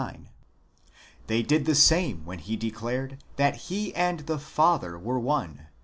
59); they did the same when he declared that he and the Father were one (x.